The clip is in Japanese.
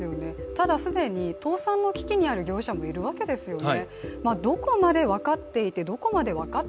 ただ、既に倒産の危機にある業者もいるわけですよね。